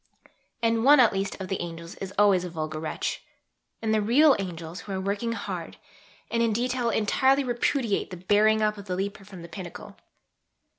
And one at least of the "angels" is always a vulgar wretch. And the real "angels" who are working hard, and in detail entirely repudiate the "bearing up" of the leaper from the pinnacle....